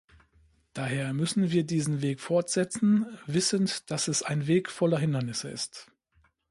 Daher müssen wir diesen Weg fortsetzen, wissend, dass es ein Weg voller Hindernisse ist.